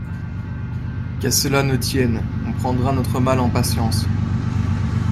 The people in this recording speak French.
Qu’à cela ne tienne, on prendra notre mal en patience.